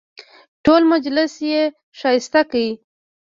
ټول مجلس یې ښایسته کړ.